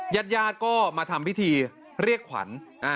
ญาติญาติก็มาทำพิธีเรียกขวัญ